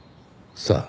さあ